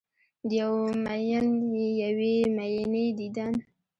د یو میین یوې میینې دیدن